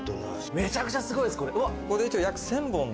めちゃくちゃすごいですこれうわ！